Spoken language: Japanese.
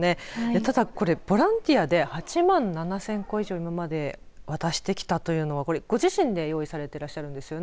ただこれボランティアで８万７０００個を今まで渡してきたというのはご自身で用意されていらっしゃるんですよね。